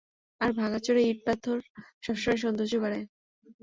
আর ভাঙ্গাচোরা ইট পাথর সবসময় সৌন্দর্য বাড়ায়।